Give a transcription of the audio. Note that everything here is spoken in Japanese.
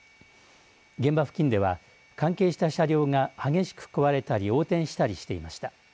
現場付近では関係した車両が激しく壊れたり横転したりしていました。